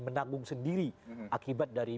menanggung sendiri akibat dari